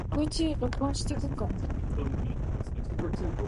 The Rouge River meets Lake Ontario at Rouge Beach.